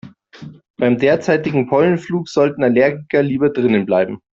Beim derzeitigen Pollenflug sollten Allergiker lieber drinnen bleiben.